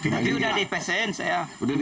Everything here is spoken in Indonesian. dia udah di pesen saya